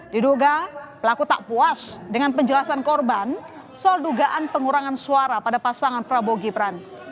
diduga pelaku tak puas dengan penjelasan korban soal dugaan pengurangan suara pada pasangan prabowo gibran